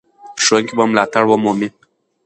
ښوونکي به ملاتړ ومومي.